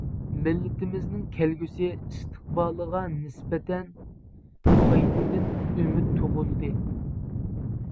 مىللىتىمىزنىڭ كەلگۈسى ئىستىقبالىغا نىسبەتەن قايتىدىن ئۈمىد تۇغۇلدى.